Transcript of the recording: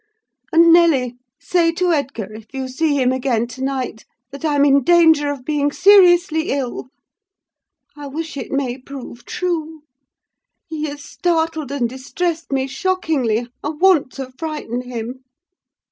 And, Nelly, say to Edgar, if you see him again to night, that I'm in danger of being seriously ill. I wish it may prove true. He has startled and distressed me shockingly! I want to frighten him.